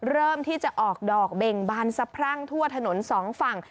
เริ่มที่จะออกดอกเบ่งบานสะพรั่งทั่วถนนสองฝั่ง